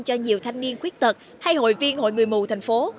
cho nhiều thanh niên khuyết tật hay hội viên hội người mù thành phố